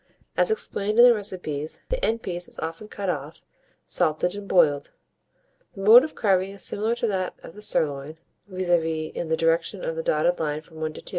As explained in the recipes, the end piece is often cut off, salted and boiled. The mode of carving is similar to that of the sirloin, viz., in the direction of the dotted line from 1 to 2.